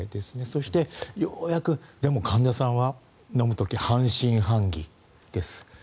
そして、ようやくでも患者さんは飲む時半信半疑です。